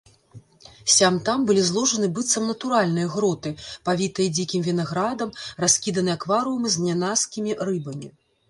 Сям-там былі зложаны быццам натуральныя гроты, павітыя дзікім вінаградам, раскіданы акварыумы з нянаскімі рыбамі.